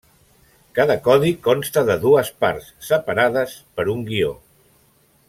Cada codi consta de dues parts, separades per un guió.